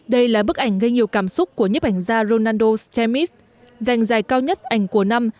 đây là bức ảnh gây nhiều cảm xúc của nhếp ảnh gia ronaldo stamets dành giải cao nhất ảnh của năm